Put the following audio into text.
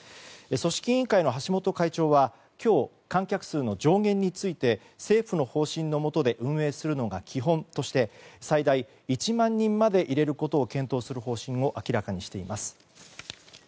組織委員会の橋本会長は今日、観客数の上限について政府の方針のもと運営するのが基本と最大１万人まで入れることを検討する方針を明らかにしています。